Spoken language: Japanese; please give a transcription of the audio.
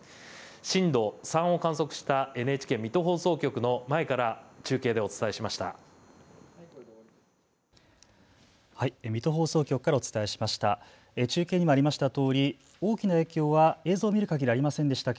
震度３を観測したＮＨＫ水戸放送局の前から中継でお伝えしました。